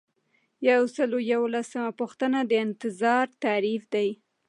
یو سل او یوولسمه پوښتنه د انتظار تعریف دی.